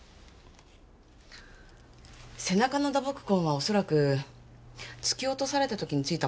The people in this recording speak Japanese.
背中の打撲痕は恐らく突き落とされた時についたものだと思う。